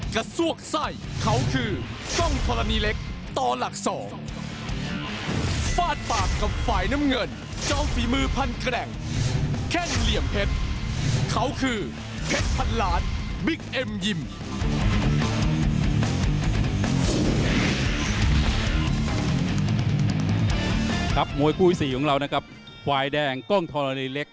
ครับมวยคู่อีกสี่ของเรานะครับฝ่ายแดงกล้องทรลิเล็ก